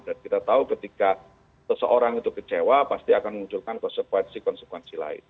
kita tahu ketika seseorang itu kecewa pasti akan memunculkan konsekuensi konsekuensi lain